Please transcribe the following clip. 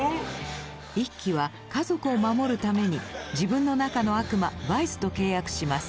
一輝は家族を守るために自分の中の悪魔バイスと契約します。